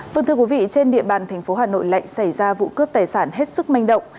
vâng thưa quý vị trên địa bàn tp hà nội lệnh xảy ra vụ cướp tài sản hết sức manh động